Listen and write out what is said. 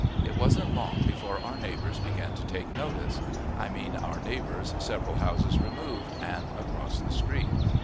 It wasn't long before our neighbors began to take notice I mean our neighbors several houses removed, and across the street.